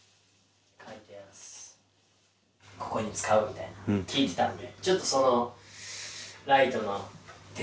ここに使うみたいな聞いてたんで。